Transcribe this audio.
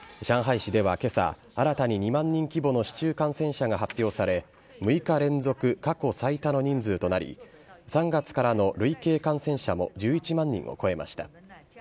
上海市では今朝新たに２万人規模の市中感染者が発表され６日連続、過去最多の人数となり３月からの累計感染者も１１万人を超えました。